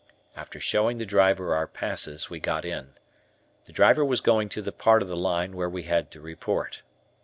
After showing the driver our passes we got in. The driver was going to the part of the line where we had to report.